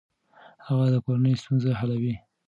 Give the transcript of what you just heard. هغه د کورنۍ ستونزې حلوي.